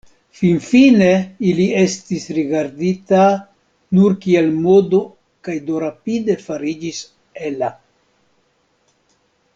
Finfine, ili estis rigardita nur kiel modo kaj do rapide fariĝis ela.